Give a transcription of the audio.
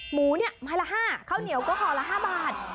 หมูเนี่ยไม่ละ๕เขาเหนี่ยวก็ขอละ๕บาท